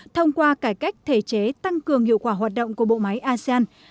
thông qua cải cách thể chế tăng cường hiệu quả hoạt động của bộ máy asean